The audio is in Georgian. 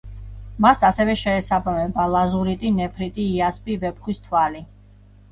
მას ასევე შეესაბამება: ლაზურიტი, ნეფრიტი, იასპი, ვეფხვის თვალი.